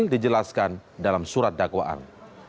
dijelaskan dalam surat dakwaan